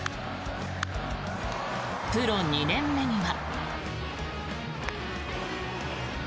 プロ２年目には。